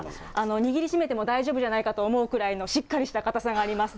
握りしめても大丈夫じゃないかというくらいのしっかりした硬さがあります。